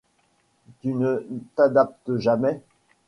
Tu ne t'adaptes jamais.